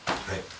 はい。